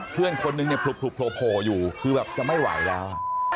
เพื่อนคนนึงเนี่ยผลุบโผล่อยู่คือแบบจะไม่ไหวแล้ว